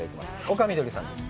丘みどりさんです。